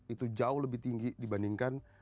itu jauh lebih tinggi di bandingkan